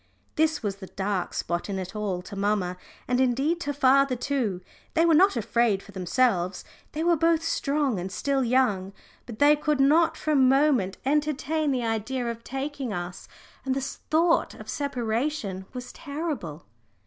This was the dark spot in it all to mamma, and indeed to father too. They were not afraid for themselves. They were both strong and still young, but they could not for a moment entertain the idea of taking us. And the thought of separation was terrible.